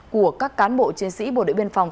của các cán bộ chiến sĩ bộ đội biên phòng